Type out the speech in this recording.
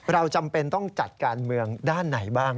จำเป็นต้องจัดการเมืองด้านไหนบ้าง